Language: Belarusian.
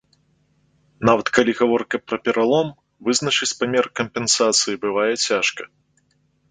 Нават калі гаворка пра пералом, вызначыць памер кампенсацыі бывае цяжка.